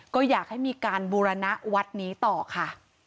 ก็อยากให้มีการบูรณะวัดนี้ต่อค่ะ